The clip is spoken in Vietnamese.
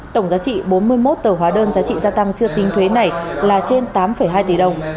tổng giá trị bốn mươi một tờ hóa đơn giá trị gia tăng chưa tính thuế này là trên tám hai tỷ đồng